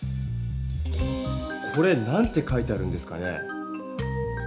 これなんて書いてあるんですかね？